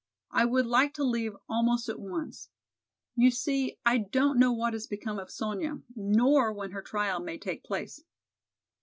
I would like to leave almost at once. You see, I don't know what has become of Sonya, nor when her trial may take place."